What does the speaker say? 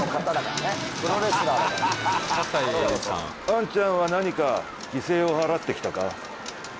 兄ちゃんは何か犠牲を払ってきたか？